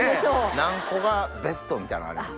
何個がベストみたいなのあります？